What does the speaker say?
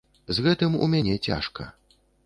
З гэтым у мяне цяжка.